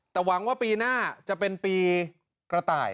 แต่หวังว่าปีหน้าจะเป็นปีกระต่าย